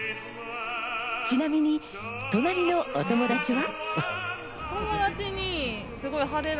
ちなみに隣のお友達は。